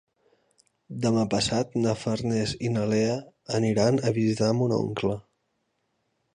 Demà passat na Farners i na Lea aniran a visitar mon oncle.